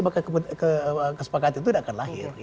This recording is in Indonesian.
maka kesepakatan itu tidak akan lahir